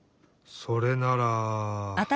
それなら。